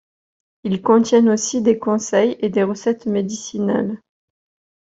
Ils contiennent aussi des conseils et des recettes médicinales.